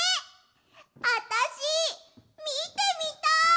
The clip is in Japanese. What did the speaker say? あたしみてみたい！